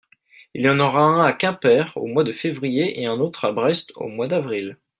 il y en aura un à Quimper au mois de février et un autre à Brest au mois d'avril.